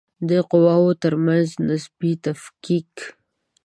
د قواوو ترمنځ نسبي تفکیک